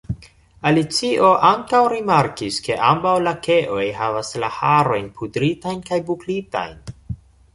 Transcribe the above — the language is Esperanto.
Alicio ankaŭ rimarkis ke ambaŭ lakeoj havas la harojn pudritajn kaj buklitajn.